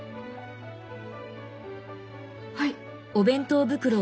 はい。